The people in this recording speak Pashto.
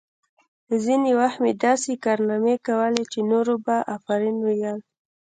ځینې وخت مې داسې کارنامې کولې چې نورو به آفرین ویل